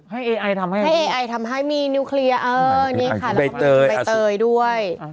ให้เอไอทำให้มีนิวเคลียร์อันนี้ค่ะใบเตยด้วย